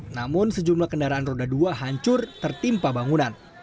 namun sejumlah kendaraan roda dua hancur tertimpa bangunan